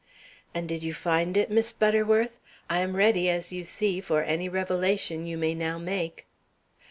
"And did you find it, Miss Butterworth? I am ready, as you see, for any revelation you may now make."